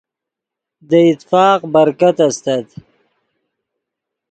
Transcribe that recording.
دے اتفاق برکت استت